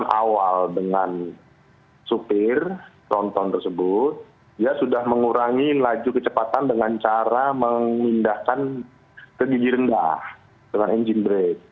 awal dengan supir tronton tersebut dia sudah mengurangi laju kecepatan dengan cara memindahkan ke gigi rendah dengan engine brake